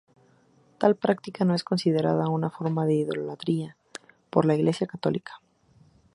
Tal práctica no es considerada una forma de idolatría por la Iglesia católica.